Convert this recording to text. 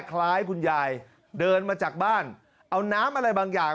คุณยายเดินมาจากบ้านเอาน้ำอะไรบางอย่าง